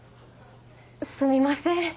すみません。